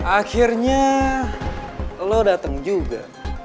akhirnya lo dateng juga